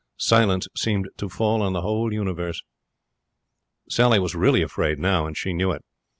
Silence seemed to fall on the whole universe. Sally was really afraid now, and she knew it.